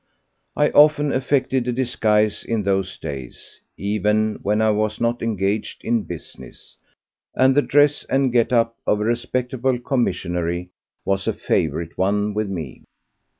I often affected a disguise in those days, even when I was not engaged in business, and the dress and get up of a respectable commissionnaire was a favourite one with me.